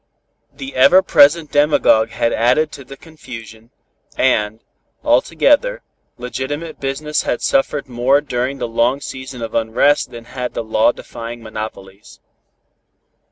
The ever present demagogue had added to the confusion, and, altogether, legitimate business had suffered more during the long season of unrest than had the law defying monopolies.